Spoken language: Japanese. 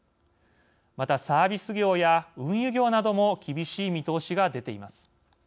また、サービス業や運輸業なども厳しい見通しが出ています。